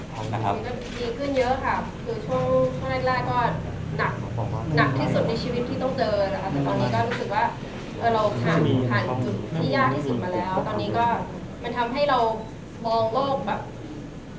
ก็โอเคนะครับกำลังใจดี